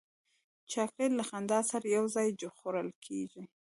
چاکلېټ له خندا سره یو ځای خوړل کېږي.